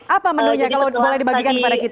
apa menunya kalau boleh dibagikan kepada kita